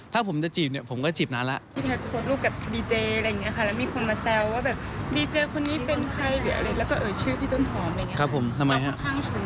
มันค่อนข้างฉุนนิดนึงอะไรอย่างนี้ค่ะ